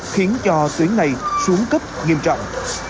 khiến cho tuyến này xuống cấp nghiêm trọng